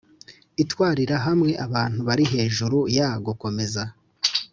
itwarira hamwe abantu bari hejuru ya gukomeza